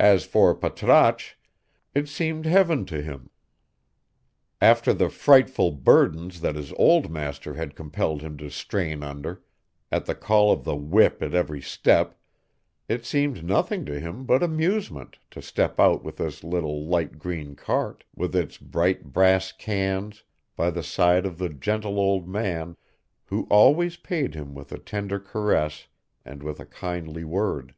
As for Patrasche, it seemed heaven to him. After the frightful burdens that his old master had compelled him to strain under, at the call of the whip at every step, it seemed nothing to him but amusement to step out with this little light green cart, with its bright brass cans, by the side of the gentle old man who always paid him with a tender caress and with a kindly word.